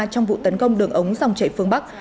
trong vụ tấn công đường ống dòng chảy phương bắc